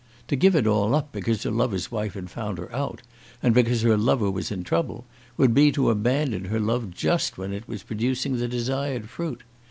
To give it all up because her lover's wife had found her out, and because her lover was in trouble, would be to abandon her love just when it was producing the desired fruit.